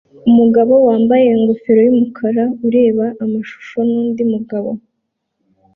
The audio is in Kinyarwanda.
Umugabo wambaye ingofero yumukara ureba amashusho nundi mugabo